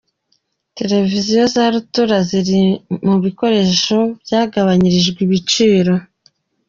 Televiziyo za rutura ziri mu bikoresho byagabyirijwe ibiciro.